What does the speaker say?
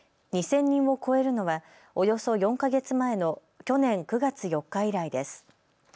２０００人を超えるのはおよそ４か月前の去年９月４日以来です。